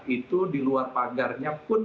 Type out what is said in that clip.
itu diluar pagarnya pun